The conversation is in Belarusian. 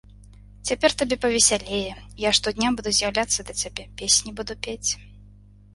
Цяпер табе павесялее, я штодня буду з'яўляцца да цябе, песні буду пець.